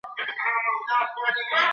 ماشومان د سولي په فضا کي ښه وده کوي.